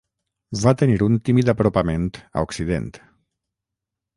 Va tenir un tímid apropament a Occident.